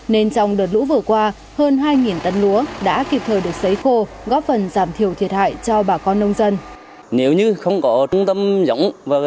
nên trong đợt lũ vừa qua hơn hai tấn lúa đã kịp thời được xấy khô góp phần giảm thiểu thiệt hại cho bà con nông dân